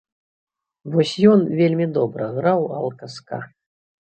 Вось ён вельмі добра граў алка-ска.